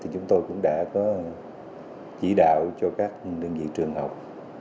chúng tôi cũng đã có chỉ đạo cho các đơn vị trường học